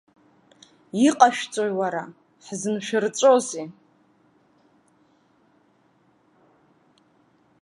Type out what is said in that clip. Иҟашәҵои уара, ҳзыншәырҵәозеи?!